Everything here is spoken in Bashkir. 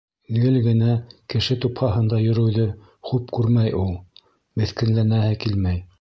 Гел генә кеше тупһаһында йөрөүҙе хуп күрмәй ул. Меҫкенләнәһе килмәй.